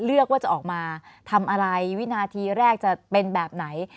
เลือกว่าจะออกมาทำอะไรวินาทีแรกจะเป็นแบบไหน